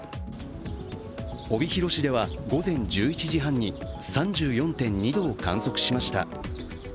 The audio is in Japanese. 帯広市では午前１１時半に３４．２度を観測しました。